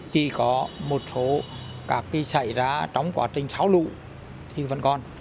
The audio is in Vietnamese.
chỉ có một số các cái xảy ra trong quá trình xáo lụ thì vẫn còn